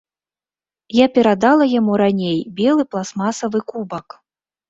Я перадала яму раней белы пластмасавы кубак.